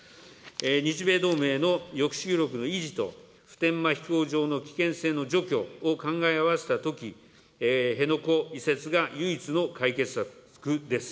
日米同盟の抑止力の維持と、普天間飛行場の危険性の除去を考え合わせたとき、辺野古移設が唯一の解決策です。